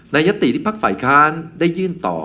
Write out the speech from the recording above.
ยติที่พักฝ่ายค้านได้ยื่นต่อ